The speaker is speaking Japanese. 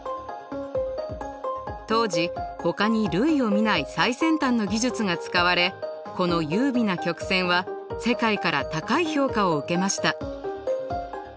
当時ほかに類を見ない最先端の技術が使われこの優美な曲線は世界から高い評価を受けました。